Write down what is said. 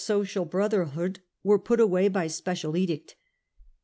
social brotherhood were put down by a special edict.